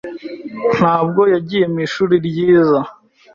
ntabwo yagiye mwishuri ryiza.